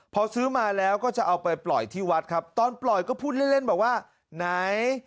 พอซื้อมาแล้วก็จะเอาไปปล่อยที่วัดครับตอนปล่อยก็พูดเล่นเล่นบอกว่าไหน